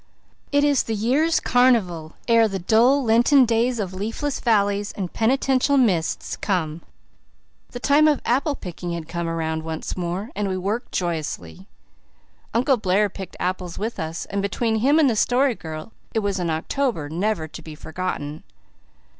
It is the year's carnival ere the dull Lenten days of leafless valleys and penitential mists come. The time of apple picking had come around once more and we worked joyously. Uncle Blair picked apples with us, and between him and the Story Girl it was an October never to be forgotten.